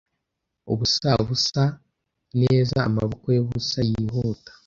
ubusa busa neza amaboko yubusa yihuta